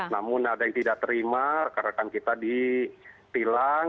namun ada yang tidak terima rekan rekan kita ditilang